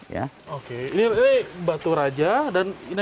ini batu raja dan ini